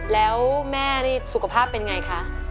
แล้วแม่นี่สุขภาพเป็นไงคะ